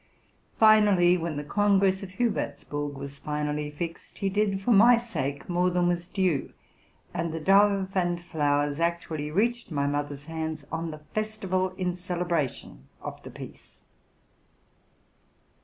Finally, when the Congress of Hubertsburg was finally fixed, he did for my sake more than was due ; and the dove and flowers actually reached my mother's hands on the festival in celebration of the peace.